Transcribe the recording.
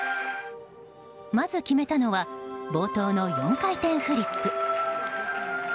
まず決めたのは冒頭の４回転フリップ。